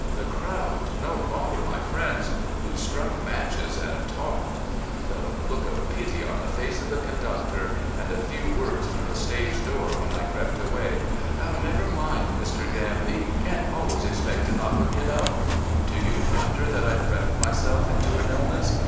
The crowd, no longer my friends, who struck matches and talked. The look of pity on the face of the conductor, and the few words from the stage door when I crept away: 'Never mind, Mr. Danby; can't always expect to knock 'em, y'know.' Do you wonder that I fretted myself into an illness?